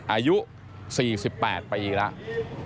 อายุ๔๘ปีแล้ว